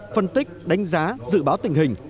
phân tích đánh giá dự báo tình hình